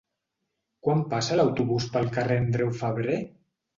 Quan passa l'autobús pel carrer Andreu Febrer?